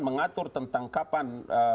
mengatur tentang kapan